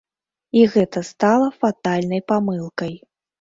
І гэта стала фатальнай памылкай.